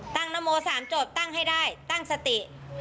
ตั้งนโมสามโจทย์ตั้งให้ได้ตั้งสติ